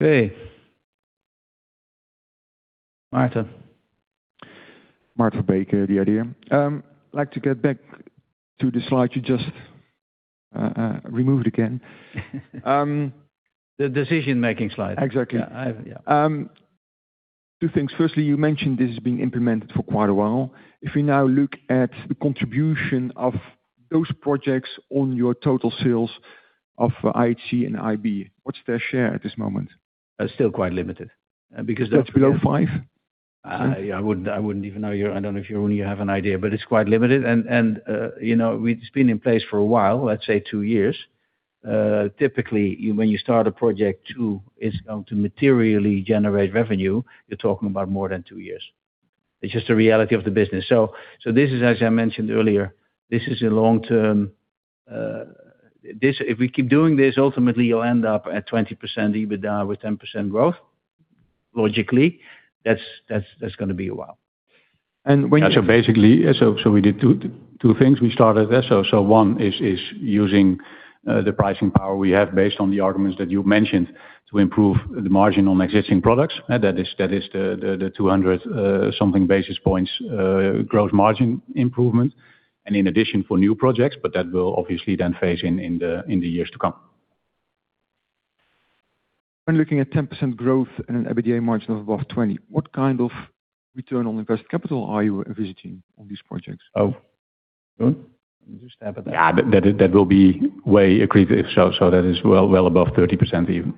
Thank you. Hey. Maarten. Maarten Verbeek, the IDEA!. I'd like to get back to the slide you just removed again. The decision-making slide. Exactly. Yeah. I, yeah. Two things. Firstly, you mentioned this is being implemented for quite a while. If we now look at the contribution of those projects on your total sales of IAC and IB, what's their share at this moment? Still quite limited, because. Below 5%? I wouldn't, I wouldn't even know. I don't know if you only have an idea, but it's quite limited and, you know, it's been in place for a while, let's say two years. Typically, when you start a project, it's going to materially generate revenue, you're talking about more than two years. It's just the reality of the business. This is, as I mentioned earlier, this is a long-term, if we keep doing this, ultimately you'll end up at 20% EBITDA with 10% growth. Logically, that's gonna be a while. And when you- Basically, we did two things. We started there. One is using the pricing power we have, based on the arguments that you mentioned, to improve the margin on existing products. That is the 200 something basis points growth margin improvement, and in addition for new projects, but that will obviously then phase in in the years to come. When looking at 10% growth and an EBITDA margin of above 20%, what kind of return on invested capital are you envisaging on these projects? Oh, Jeroen. Just have- Yeah, that will be way accretive. So that is well above 30% even.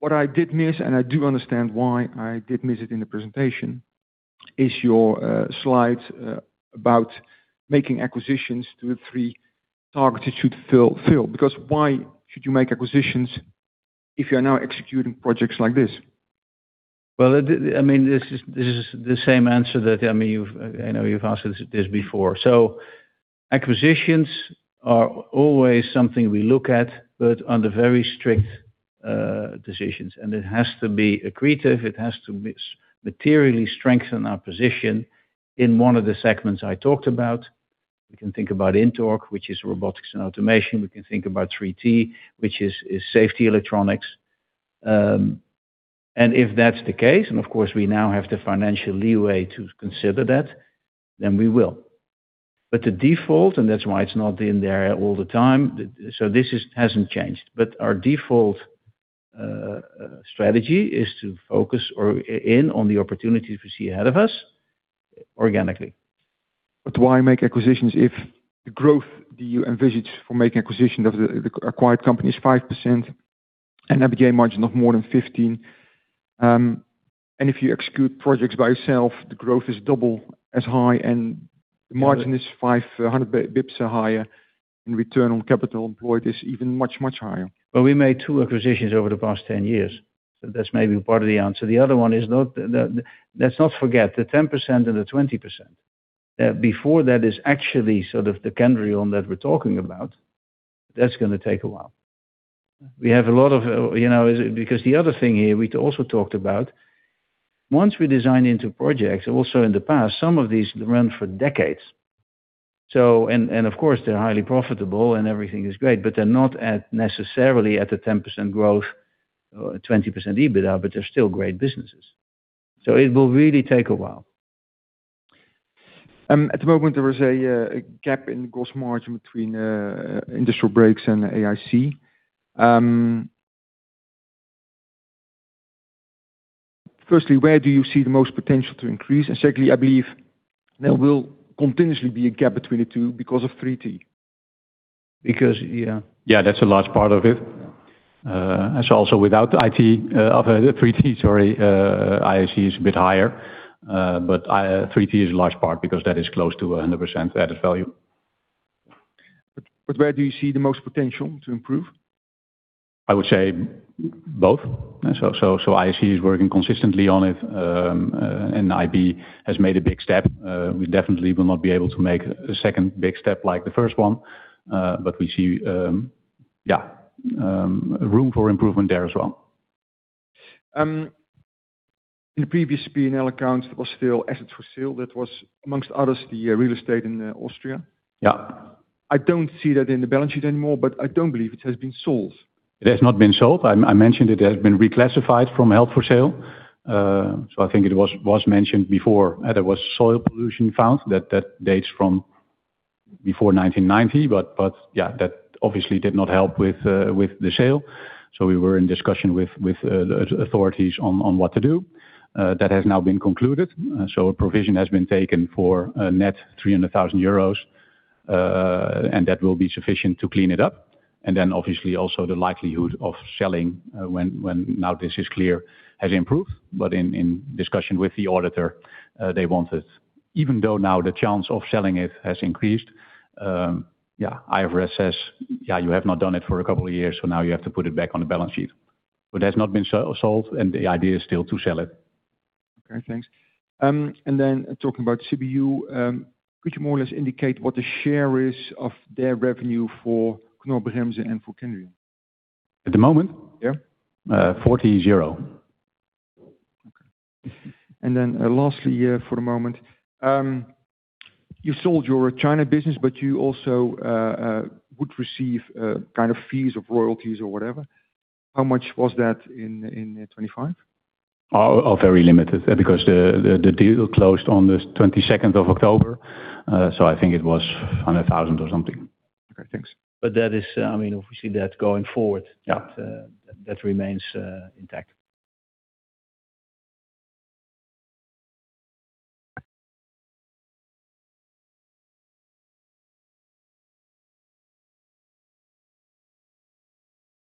What I did miss, and I do understand why I did miss it in the presentation, is your slide about making acquisitions to the three targets it should fill, because why should you make acquisitions if you are now executing projects like this? Well, it, I mean, this is the same answer that, I mean, you've, I know you've asked this before. Acquisitions are always something we look at, but under very strict decisions. It has to be accretive, it has to materially strengthen our position in one of the segments I talked about. We can think about INTORQ, which is robotics and automation. We can think about 3T, which is safety electronics. If that's the case, and of course, we now have the financial leeway to consider that, then we will. The default, and that's why it's not in there all the time, this is hasn't changed. Our default strategy is to focus in on the opportunities we see ahead of us organically. Why make acquisitions if the growth that you envisage for making acquisition of the acquired company is 5% and EBITDA margin of more than 15%. If you execute projects by yourself, the growth is double as high and the margin is 500 basis points higher. Return on capital employed is even much, much higher. Well, we made two acquisitions over the past 10 years. That's maybe part of the answer. The other one is not, let's not forget, the 10% and the 20% before that is actually sort of the Kendrion that we're talking about, that's gonna take a while. We have a lot of, you know, because the other thing here we also talked about, once we design into projects, and also in the past, some of these run for decades. Of course, they're highly profitable and everything is great, but they're not at necessarily at the 10% growth or 20% EBITDA, but they're still great businesses. It will really take a while. At the moment, there is a gap in gross margin between Industrial Brakes and IAC. Firstly, where do you see the most potential to increase? Secondly, I believe there will continuously be a gap between the two because of 3T. Yeah. Yeah, that's a large part of it. As also without IT of 3T, sorry, IAC is a bit higher, but 3T is a large part because that is close to a 100% added value. Where do you see the most potential to improve? I would say both. IAC is working consistently on it, and IB has made a big step. We definitely will not be able to make a second big step like the first one, but we see, yeah, room for improvement there as well. In the previous P&L accounts, there was still assets for sale. That was, amongst others, the real estate in Austria. Yeah. I don't see that in the balance sheet anymore, but I don't believe it has been sold. It has not been sold. I mentioned it has been reclassified from held for sale. I think it was mentioned before. There was soil pollution found that dates from before 1990, but, yeah, that obviously did not help with the sale. We were in discussion with the authorities on what to do. That has now been concluded, so a provision has been taken for a net 300,000 euros, and that will be sufficient to clean it up. Then obviously also the likelihood of selling, when now this is clear, has improved. In discussion with the auditor, they wanted... Even though now the chance of selling it has increased, I have assessed, you have not done it for a couple of years, so now you have to put it back on the balance sheet. It has not been sold. And the idea is still to sell it. Okay, thanks. Then talking about CBU, could you more or less indicate what the share is of their revenue for Knorr-Bremse and for Kendrion? At the moment? Yeah. 40-0. Okay. Lastly, for the moment, you sold your China business, but you also would receive kind of fees of royalties or whatever. How much was that in 2025? Very limited, because the deal closed on the 22nd of October, I think it was 100,000 or something. Okay, thanks. That is, I mean, obviously, that's going forward. Yeah. That remains intact.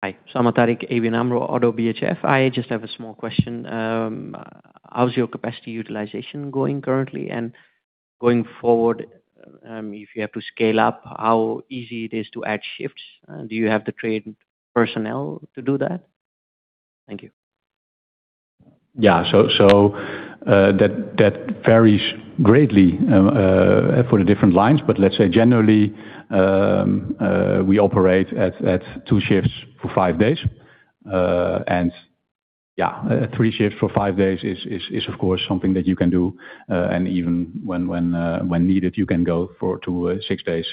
Hi, I'm Usama Tariq, ABN AMRO - ODDO BHF. Just have a small question. How's your capacity utilization going currently? Going forward, if you have to scale up, how easy it is to add shifts? Do you have the trained personnel to do that? Thank you. Yeah. That varies greatly for the different lines. Let's say generally, we operate at two shifts for five days. Yeah, three shifts for five days is, of course, something that you can do, and even when needed, you can go for to six days,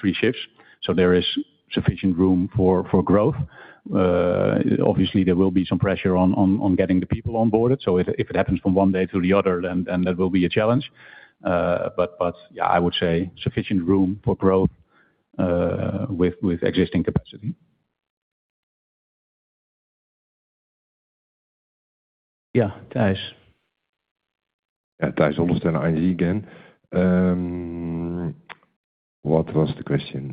three shifts. There is sufficient room for growth. Obviously, there will be some pressure on getting the people on board it. If it happens from one day to the other, then that will be a challenge. Yeah, I would say sufficient room for growth with existing capacity. Yeah, Tijs. Tijs Hollestelle, ING again. What was the question?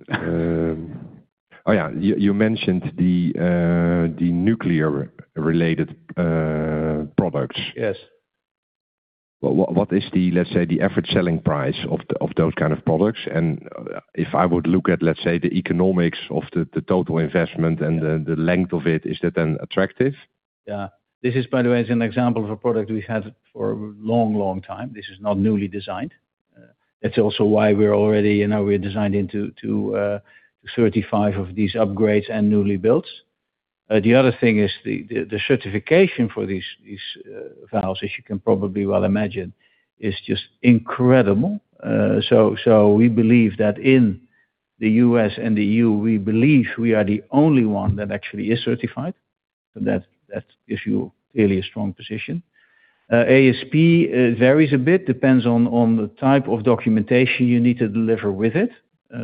You, you mentioned the nuclear related products. Yes. What is the, let's say, the average selling price of those kind of products? If I would look at, let's say, the economics of the total investment and the length of it, is that then attractive? Yeah. This is, by the way, is an example of a product we've had for a long, long time. This is not newly designed. That's also why we're already, you know, we're designed into 35 of these upgrades and newly built. The other thing is the certification for these valves, as you can probably well imagine, is just incredible. We believe that in the U.S. and the EU, we believe we are the only one that actually is certified. That gives you really a strong position. ASP varies a bit, depends on the type of documentation you need to deliver with it.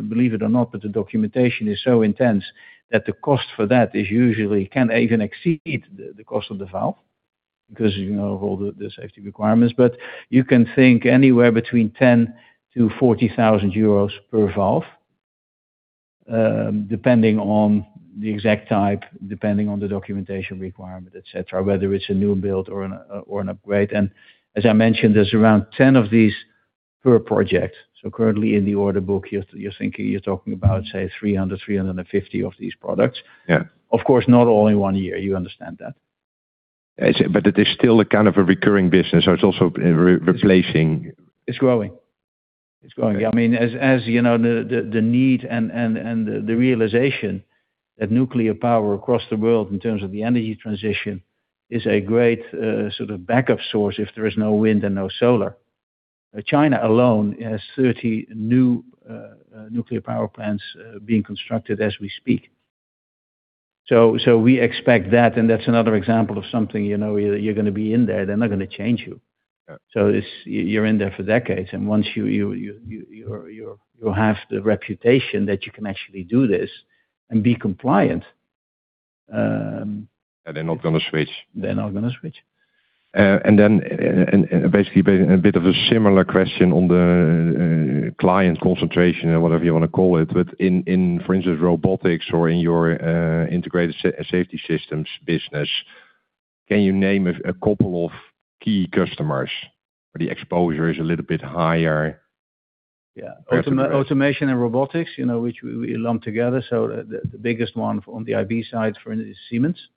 Believe it or not, the documentation is so intense that the cost for that is usually can even exceed the cost of the valve, because you know, the safety requirements. You can think anywhere between 10,000-40,000 euros per valve, depending on the exact type, depending on the documentation requirement, et cetera, whether it's a new build or an upgrade. As I mentioned, there's around 10 of these per project. Currently in the order book, you're talking about, say, 300-350 of these products. Yeah. Of course, not all in one year. You understand that. It is still a kind of a recurring business, so it's also replacing. It's growing. It's growing. Okay. I mean, as you know, the need and the realization that nuclear power across the world in terms of the energy transition is a great sort of backup source if there is no wind and no solar. China alone has 30 new nuclear power plants being constructed as we speak. We expect that, and that's another example of something, you know, you're gonna be in there. They're not gonna change you. Yeah. It's... You're in there for decades, and once you have the reputation that you can actually do this and be compliant. They're not gonna switch? They're not gonna switch. Basically, a bit of a similar question on the client concentration or whatever you wanna call it, in, for instance, robotics or in your integrated safety systems business, can you name a couple of key customers where the exposure is a little bit higher? Yeah. automation and robotics, you know, which we lump together. The biggest one on the IB side, for instance, is Siemens,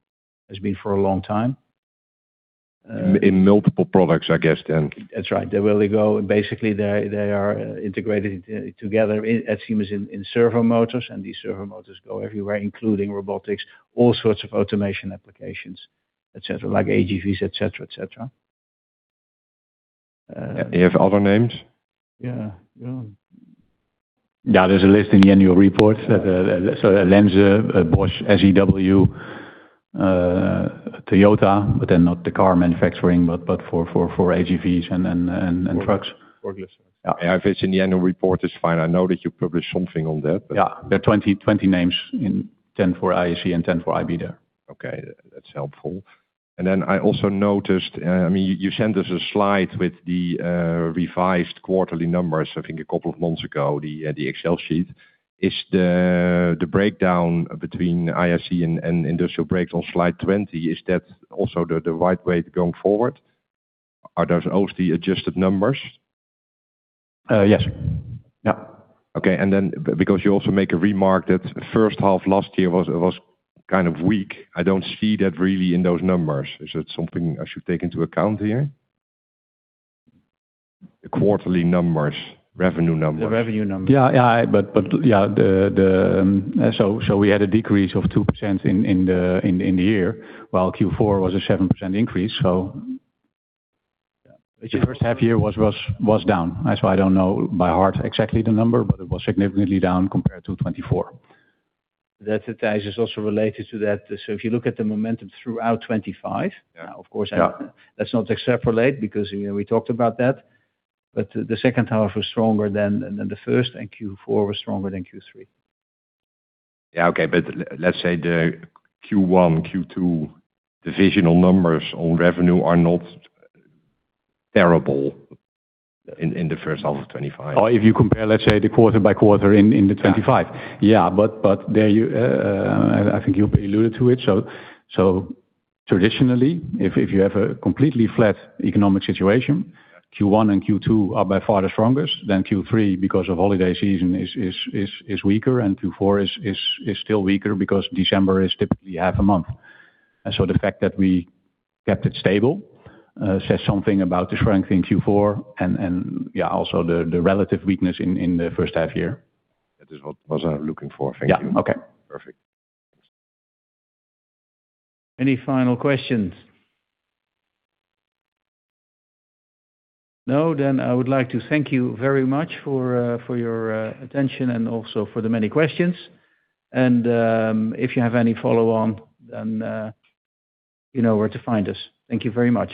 has been for a long time. In multiple products, I guess, then. That's right. Basically, they are integrated together in, at Siemens in servo motors, and these servo motors go everywhere, including robotics, all sorts of automation applications, et cetera, like AGVs, et cetera, et cetera. You have other names? Yeah, yeah. Yeah, there's a list in the annual report that Lenze, Bosch, SEW-EURODRIVE, Toyota, but then not the car manufacturing, but for AGVs and then, and trucks. Yeah, if it's in the annual report, it's fine. I know that you published something on that, but. Yeah, there are 20 names in 10 for ISE and 10 for IB there. Okay, that's helpful. I also noticed, I mean, you sent us a slide with the revised quarterly numbers, I think a couple of months ago, the Excel sheet. Is the breakdown between IAC and Industrial Brakes on slide 20, is that also the right way going forward? Are those OC adjusted numbers? Yes. Yeah. Okay, and then because you also make a remark that first half last year was kind of weak, I don't see that really in those numbers. Is that something I should take into account here? The quarterly numbers, revenue numbers. The revenue numbers. We had a decrease of 2% in the year, while Q4 was a 7% increase, so. The first half year was down. That's why I don't know by heart exactly the number, but it was significantly down compared to 2024. That, is also related to that. If you look at the momentum throughout 2025- Yeah. Of course. Yeah. Let's not extrapolate, because, you know, we talked about that, but the second half was stronger than the first, and Q4 was stronger than Q3. Yeah, okay. Let's say the Q1, Q2 divisional numbers on revenue are not terrible in the first half of 2025. If you compare, let's say, the quarter by quarter in 2025. Yeah. But there you, I think you alluded to it. Traditionally, if you have a completely flat economic situation, Q1 and Q2 are by far the strongest, then Q3, because of holiday season, is weaker, and Q4 is still weaker because December is typically half a month. The fact that we kept it stable, says something about the strength in Q4 and, yeah, also the relative weakness in the first half year. That is what I was looking for. Thank you. Yeah. Okay. Perfect. Any final questions? No, then I would like to thank you very much for your attention and also for the many questions. If you have any follow on, then, you know where to find us. Thank you very much.